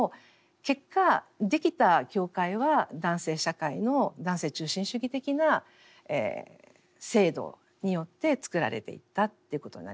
結果できた教会は男性社会の男性中心主義的な制度によってつくられていったっていうことになります。